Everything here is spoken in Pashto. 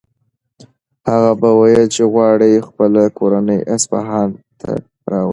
هغه به ویل چې غواړي خپله کورنۍ اصفهان ته راولي.